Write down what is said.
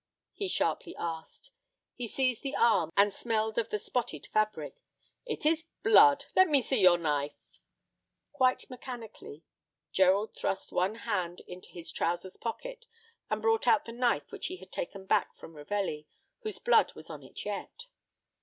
he sharply asked. He seized the arm and smelled of the spotted fabric. "It is blood! Let me see your knife." Quite mechanically Gerald thrust one hand into his trousers pocket and brought out the knife which he had taken back from Ravelli, whose blood was on it yet.